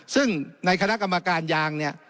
ซึ่งในคณะกรรมการยาง